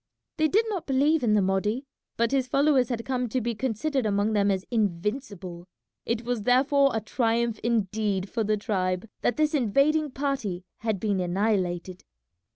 They did not believe in the Mahdi, but his followers had come to be considered among them as invincible. It was therefore a triumph indeed for the tribe that this invading party had been annihilated.